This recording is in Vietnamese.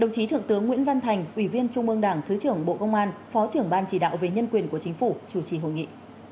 đồng chí thượng tướng nguyễn văn thành ủy viên trung ương đảng thứ trưởng bộ công an phó trưởng ban chỉ đạo về nhân quyền của chính phủ chủ trì hội nghị